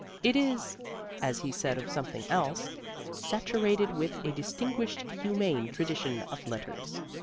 It is (as he said of something else) "saturated with a distinguished, humane tradition of letters."